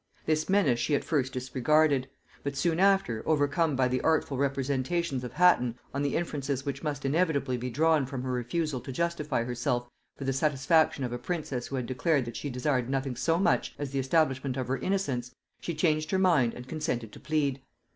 This menace she at first disregarded; but soon after, overcome by the artful representations of Hatton on the inferences which must inevitably be drawn from her refusal to justify herself for the satisfaction of a princess who had declared that she desired nothing so much as the establishment of her innocence, she changed her mind and consented to plead.